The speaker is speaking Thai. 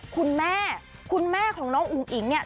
คุณแม่คุณแม่ของน้องอุ๋งอิ๋งเนี่ย